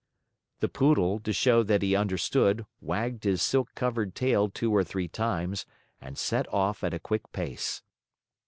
The Poodle, to show that he understood, wagged his silk covered tail two or three times and set off at a quick pace.